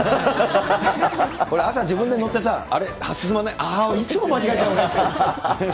これ、朝自分で乗ってさ、あれ？進まない、ああ、いつも間違えちゃうんだよって。